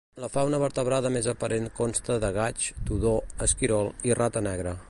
La fauna vertebrada més aparent consta de gaig, tudó, esquirol i rata negra.